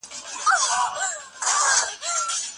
يوه خوشحاله ټولنه د مطالعې له لاري جوړېږي.